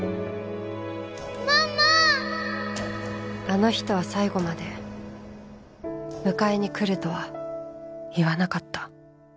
あの人は最後まで迎えに来るとは言わなかった